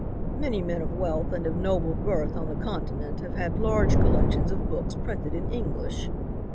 Many men of wealth and of noble birth on the continent have had large collections of books printed in English.